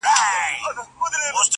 راټول سوی وه مېږیان تر چتر لاندي.!